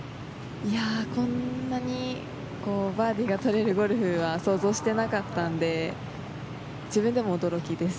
こんなにバーディーが取れるゴルフは想像していなかったので自分でも驚きです。